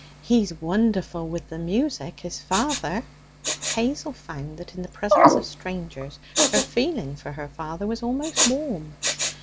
He's wonderful with the music, is father.' Hazel found that in the presence of strangers her feeling for her father was almost warm.